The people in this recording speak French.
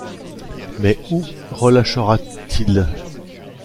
Mais où relâchera-t-il?